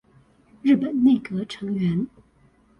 日本內閣成員